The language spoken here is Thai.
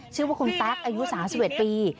ชื่อว่าคุณแต๊กอายุ๓๑ปี